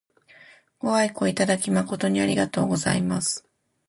ご愛顧いただき誠にありがとうございます。